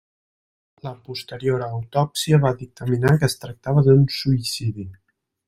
La posterior autòpsia va dictaminar que es tractava d'un suïcidi.